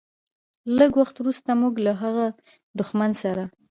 لږ وخت وروسته موږ له هغه دښمن سره.